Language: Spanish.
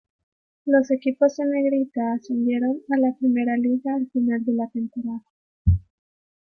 Los equipos en negrita ascendieron a la Primera Liga al final de la temporada.